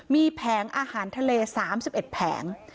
มีแผงอาหารทะเล๓๑แผง